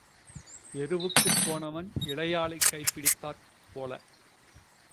எருவுக்குப் போனவன் இளையாளைக் கைப்பிடித்தாற் போல.